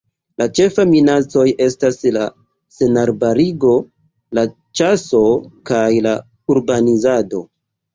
La ĉefaj minacoj estas la senarbarigo, la ĉaso kaj la urbanizado.